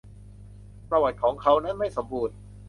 ประวัติของเขานั้นไม่สมบูรณ์